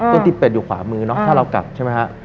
ที่เป็ดอยู่ขวามือเนาะถ้าเรากลับใช่ไหมฮะ